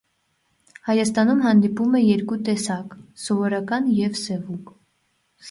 Հայաստանում հանդիպում է երկու տեսակ՝ սովորական և սևուկ։